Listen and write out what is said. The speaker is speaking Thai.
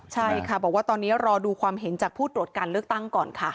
ใช่ค่ะบอกว่าตอนนี้รอดูความเห็นจากผู้ตรวจการเลือกตั้งก่อนค่ะ